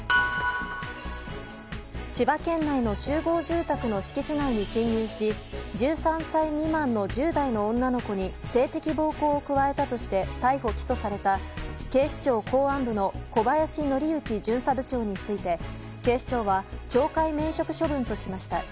千葉県内の集合住宅の敷地内に侵入し１３歳未満の１０代の女の子に性的暴行を加えたとして逮捕・起訴された警視庁公安部の小林徳之巡査部長について警視庁は懲戒免職処分としました。